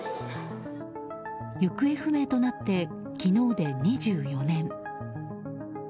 行方不明となって、昨日で２４年。